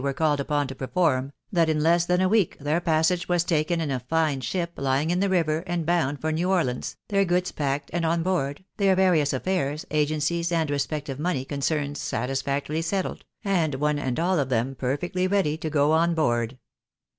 27 were called upon to perform, that in less than a week their passage ■was taken in a fine ship lying in the river and bound for New Orleans, their goods packed and on board, their various affairs, agencies, and respective money concerns satisfactorily settled, and one and all of them perfectly ready to go on board.